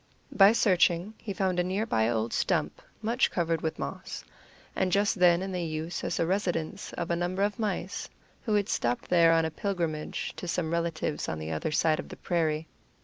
By searching he found nearby an old stump, much covered with moss, and just then in use as the residence of a number of mice, who had stopped there on a pilgrimage to some relatives on the other side of the prairie.